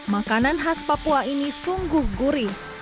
makanan khas papua ini sungguh gurih